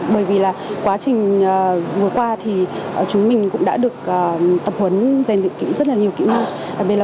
bởi vì là quá trình vừa qua thì chúng mình cũng đã được tập huấn dành được rất là nhiều kỹ năng